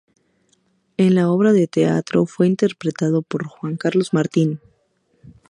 En la obra de teatro fue interpretado por Juan Carlos Martín.